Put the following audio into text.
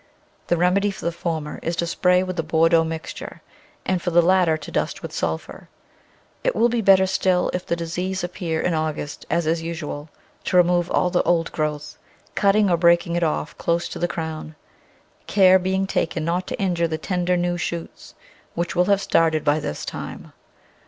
The remedy for the former is to spray with the Bordeaux mixture, and for the lat ter to dust with sulphur. It will be better still — if the disease appear in August, as is usual — to remove all the old growth, cutting or breaking it off close to the crown, care being taken not to injure the tender new shoots, which will have started by this time.